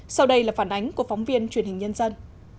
sau đây là phản ánh của phóng viên truyền hình nhân dân